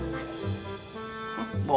gede aja bang